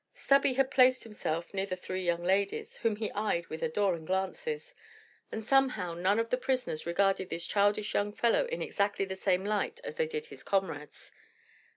Stubby had placed himself near the three young ladies, whom he eyed with adoring glances, and somehow none of the prisoners regarded this childish young fellow in exactly the same light as they did his comrades.